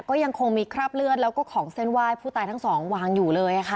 ก็ยังคงมีคราบเลือดแล้วก็ของเส้นไหว้ผู้ตายทั้งสองวางอยู่เลยค่ะ